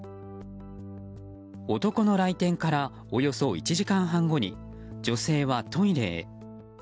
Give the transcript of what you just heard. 男の来店からおよそ１時間半後に女性はトイレへ。